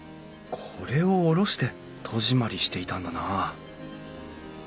これを下ろして戸締まりしていたんだな